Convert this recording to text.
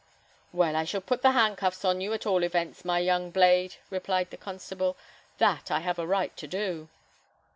"Well, I shall put the handcuffs on you, at all events, my young blade," replied the constable; "that I have a right to do."